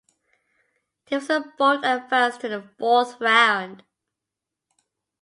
Teams in Bold advanced to the fourth round.